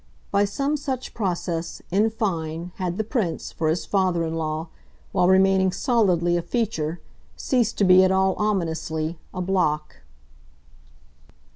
By some such process, in fine, had the Prince, for his father in law, while remaining solidly a feature, ceased to be, at all ominously, a block.